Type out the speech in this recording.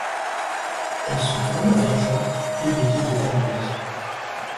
Elle se tourna vers Jean, hébété devant le lit.